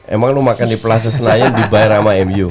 emang kamu makan di plaza senayan di bayi rama mu